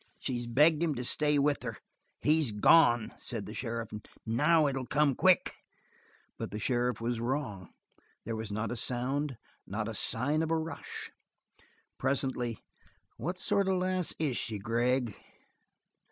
"She's begged him to stay with her; he's gone," said the sheriff. "Now it'll come quick." But the sheriff was wrong. There was not a sound, not a sign of a rush. Presently: "What sort of a lass is she, Gregg?"